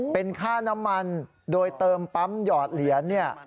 เป็นค่าน้ำมันโดยเติมปั๊มหยอดเหรียญเนี่ย